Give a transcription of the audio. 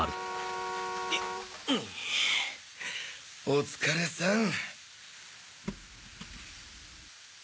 お疲れさん。